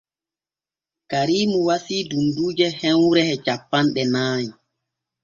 Kariimu wasii dunduuje hemre e cappanɗe nay.